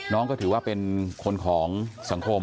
น้องก็ถือว่าเป็นคนของสังคม